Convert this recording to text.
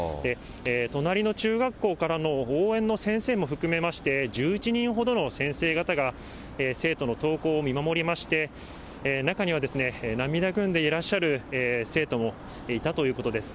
隣の中学校からの応援の先生も含めまして、１１人ほどの先生方が、生徒の登校を見守りまして、中には涙ぐんでいらっしゃる生徒もいたということです。